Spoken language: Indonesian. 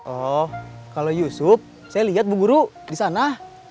oh kalau yusuf saya lihat bu guru disana